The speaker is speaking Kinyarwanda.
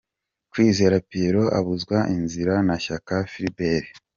Kwizera Pierrot abuzwa inzira na Shyaka Philbert.